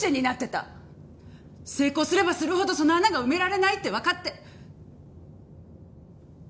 成功すればするほどその穴が埋められないってわかって。